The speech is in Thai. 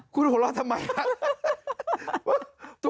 คุณหวัดทำไมฮะ